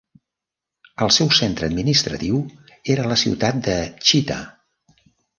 El seu centre administratiu era la ciutat de Chita.